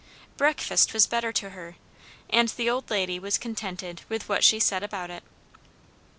Breakfast was better to her, and the old lady was contented with what she said about it.